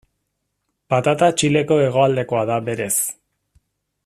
Patata Txileko hegoaldekoa da berez.